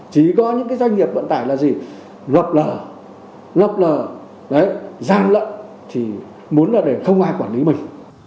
chỉ có những doanh nghiệp vận tải là gì lọc lở lọc lở giam lợn thì muốn là để không ai quản lý mình